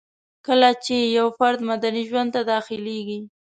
کله چي يو فرد مدني ژوند ته داخليږي